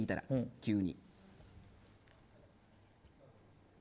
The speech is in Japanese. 急に。